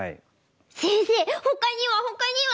先生ほかにはほかには？